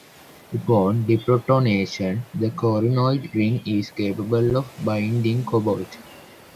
Upon deprotonation, the corrinoid ring is capable of binding cobalt.